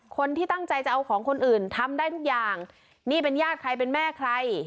คนที่ตั้งใจจะเอาของคนอื่นทำได้ทุกอย่างนี่เป็นญาติใครเป็นแม่ใคร